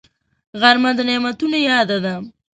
غرمه د نعمتونو یاد ده